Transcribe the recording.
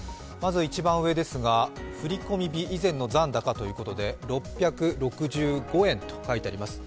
一番上、振込日以前の残高ということで６６５円と書いてあります。